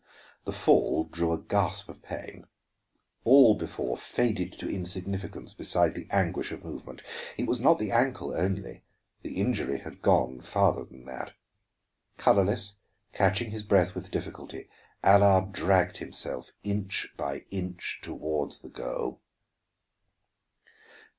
The fall drew a gasp of pain. All before faded to insignificance beside the anguish of movement. It was not the ankle only; the injury had gone farther than that. Colorless, catching his breath with difficulty, Allard dragged himself inch by inch toward the goal.